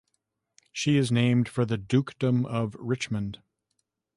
She is named for the Dukedom of Richmond.